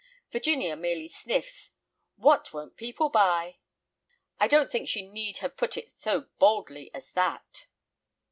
Virginia merely sniffs, "What won't people buy!" I don't think she need have put it so baldly as that.